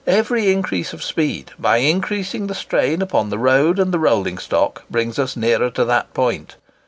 Every increase of speed, by increasing the strain upon the road and the rolling stock, brings us nearer to that point.